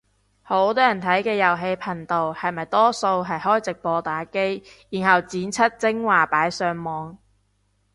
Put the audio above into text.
多人睇嘅遊戲頻道係咪多數係開直播打機，然後剪輯精華擺上網